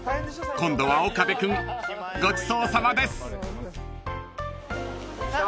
［今度は岡部君ごちそうさまです］来た！